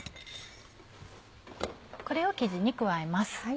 これを生地に加えます。